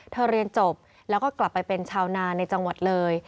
เรียนจบแล้วก็กลับไปเป็นชาวนาในจังหวัดเลย